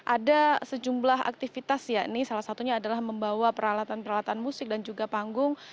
ada sejumlah aktivitas ya ini salah satunya adalah membawa peralatan peralatan musik dan juga panggung